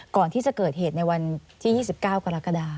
ก่อนที่จะเกิดเหตุในวันที่๒๙กรกฎา